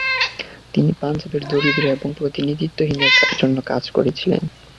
তিনি পাঞ্জাবের দরিদ্র এবং প্রতিনিধিত্বহীনদের জন্য কাজ করেছিলেন।